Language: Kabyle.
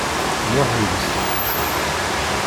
Nruḥ deg-sent.